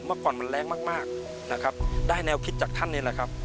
เมื่อก่อนมันแรงมากนะครับได้แนวคิดจากท่านนี่แหละครับ